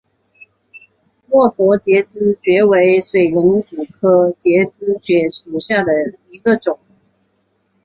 墨脱节肢蕨为水龙骨科节肢蕨属下的一个种。